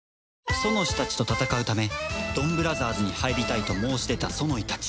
ソノシたちと戦うためドンブラザーズに入りたいと申し出たソノイたち